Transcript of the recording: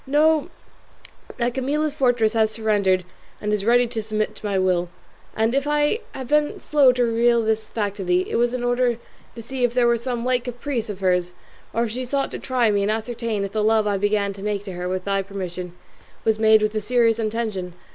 Know that Camilla's fortress has surrendered and is ready to submit to my will; and if I have been slow to reveal this fact to thee, it was in order to see if it were some light caprice of hers, or if she sought to try me and ascertain if the love I began to make to her with thy permission was made with a serious intention.